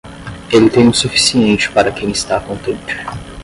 Ele tem o suficiente para quem está contente.